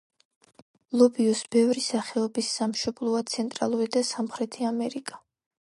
ლობიოს ბევრი სახეობის სამშობლოა ცენტრალური და სამხრეთი ამერიკა.